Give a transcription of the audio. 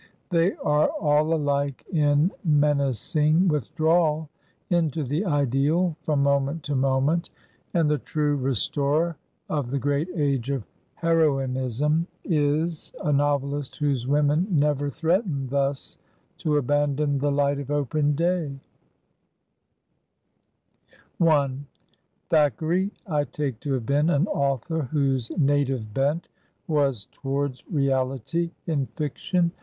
They are all alike in menac ing withdrawal into the ideal from moment to moment; and the true restorer of the great age of heroinism is a 190 Digitized by VjOOQIC THACKERAY'S BAD HEROINES novelist whose women never threaten thus to abandon the Ught of open day. Thackeray I take to have been an author whose na tive bent was towards reality in fiction.